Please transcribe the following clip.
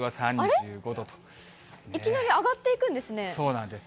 いきなり上がっていくそうなんです。